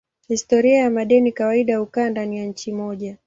Historia ya madeni kawaida hukaa ndani ya nchi moja.